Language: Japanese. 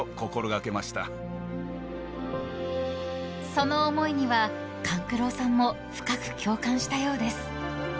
［その思いには勘九郎さんも深く共感したようです］